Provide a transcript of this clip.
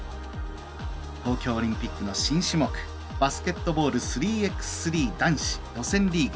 東京オリンピックの新種目バスケットボール３ｘ３男子予選リーグ。